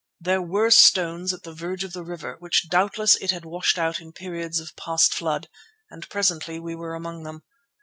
There were stones at the verge of the river, which doubtless it had washed out in periods of past flood, and presently we were among them.